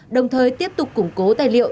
đồng thời tiếp tục củng cố tài liệu